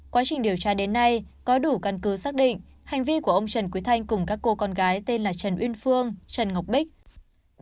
quá trình điều tra đến nay có đủ căn cứ xác định hành vi của ông trần quý thanh cùng các cô con gái tên là trần uyên phương trần ngọc bích